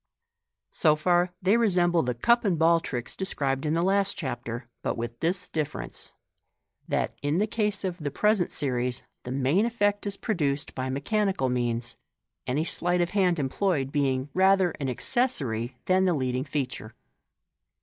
So far, they resemble the cup and.ball tricks described in the last Chapter, but with this difference, that, in the case of the present series, the main effect is produced by mechanical means, any sleight of hand employed being rather an accessory than the leading feature.